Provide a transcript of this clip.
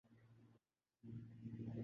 سدرا کا کہنا تھا